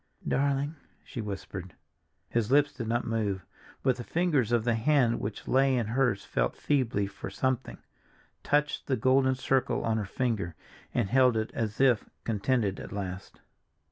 "Darling," she whispered. His lips did not move, but the fingers of the hand which lay in hers felt feebly for something—touched the golden circle on her finger, and held it as if contented at last.